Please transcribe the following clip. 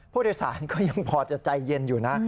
ผู้โดยสารก็ยังพอจะใจเย็นอยู่นะ